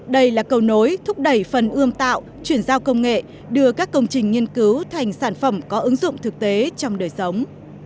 đây là cầu nối thúc đẩy phần ươm tạo chuyển giao công nghệ đưa các công trình nghiên cứu thành sản phẩm có ứng dụng thực tế trong đời sống